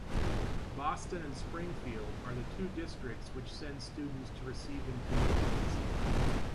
Boston and Springfield are the two districts which send students to receiving communities.